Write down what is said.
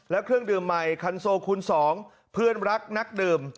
และเครื่องดื่มใหม่คันโซคูณ๒เพื่อนรักนักดื่ม